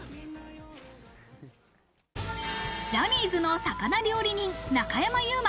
ジャニーズの魚料理人、中山優